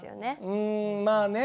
うんまあね